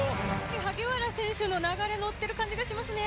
萩原選手、流れに乗っている感じがしますね。